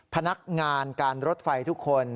พนักงานการรถไฟทุกคน